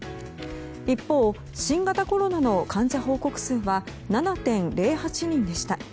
一方、新型コロナの患者報告数は７．０８人でした。